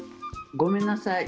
ごめんなさい。